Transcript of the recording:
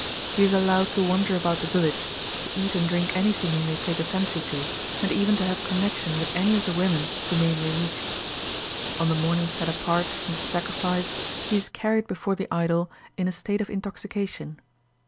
He is allowed to wander about the village, to eat and drink anything he may take a fancy to, and even to have connection with any of the women whom he may meet. On the morning set apart for the sacrifice, he is carried before the idol in a state of intoxication.